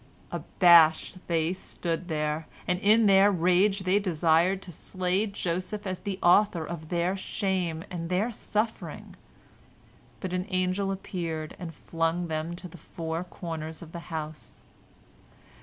Abashed they stood there, and in their rage they desired to slay Joseph as the author of their shame and their suffering. But an angel appeared and flung them to the four corners of the house.